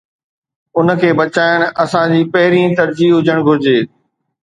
ان کي بچائڻ اسان جي پهرين ترجيح هجڻ گهرجي.